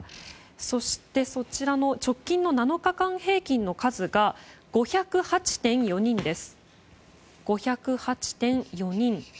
そして、直近の７日間平均の数が５０８．４人です。